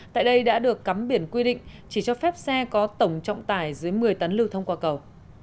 tại đây đã được cắm biển quy định chỉ cho phép xe có tổng trọng tải dưới một mươi tấn lưu thông qua cầu